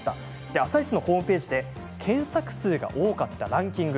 「あさイチ」のホームページで検索数が多かったランキング